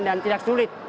dan tidak sulit